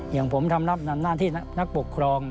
อย่างผมนำหน้าที่นักปกครอง